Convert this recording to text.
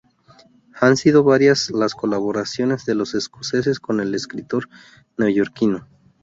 Han sido varias las colaboraciones de los escoceses con el escritor neoyorquino.